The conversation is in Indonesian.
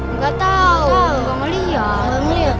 enggak tahu enggak mau lihat